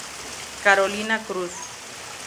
Carolina Cruz